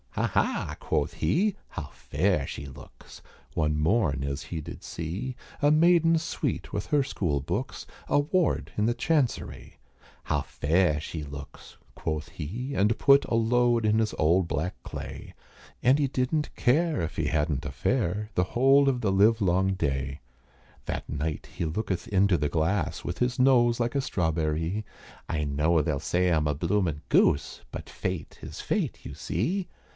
"Ha! ha!" quoth he, "how fair she looks," One morn, as he did see, A maiden sweet with her school books, A ward in the Chancerie. "How fair she looks!" quoth he, and put A load in his old black clay, And he didn't care if he hadn't a fare, The whole of the live long day. That night he looketh into the glass, With his nose like a strawberrie, "I know they'll say I'm a bloomin' goose But fate is fate you see."